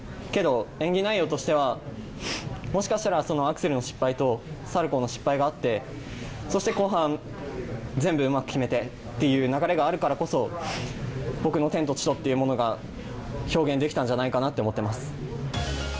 けど、演技内容としては、もしかしたらアクセルの失敗とサルコウの失敗があって、そして後半全部うまく決めてという流れがあるからこそ、僕の「天と地と」というものが表現できたんじゃないかなと思ってます。